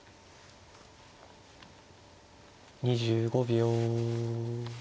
２５秒。